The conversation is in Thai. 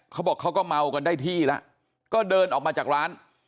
เขาบอกเขาก็เมากันได้ที่แล้วก็เดินออกมาจากร้าน